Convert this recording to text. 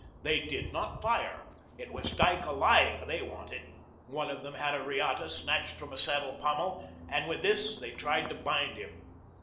They did not fire. It was Dyke alive they wanted. One of them had a riata snatched from a saddle pommel, and with this they tried to bind him.